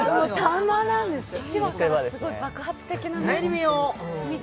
１話からすごい爆発的なね。